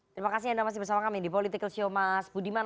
terima kasih anda masih bersama kami di political show mas budiman